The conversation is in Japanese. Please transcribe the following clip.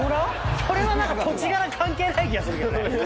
それは土地柄関係ない気がするけどね。